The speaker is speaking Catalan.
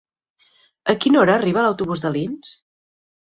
A quina hora arriba l'autobús d'Alins?